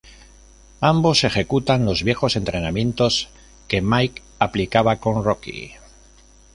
Ambos ejecutan los viejos entrenamientos que Mickey aplicaba con Rocky.